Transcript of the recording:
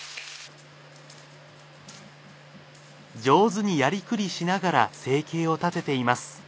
上手にやりくりしながら生計を立てています。